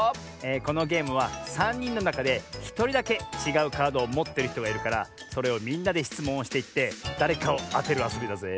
このゲームはさんにんのなかでひとりだけちがうカードをもってるひとがいるからそれをみんなでしつもんをしていってだれかをあてるあそびだぜ。